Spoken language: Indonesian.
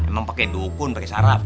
emang pake dukun pake syarat